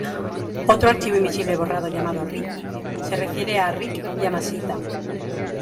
Otro archivo invisible borrado llamado "RickY" se refiere a Rick Yamashita.